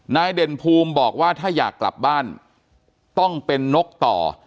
เด่นภูมิบอกว่าถ้าอยากกลับบ้านต้องเป็นนกต่อ